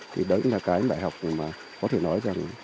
thì đấy cũng là cái đại học mà có thể nói rằng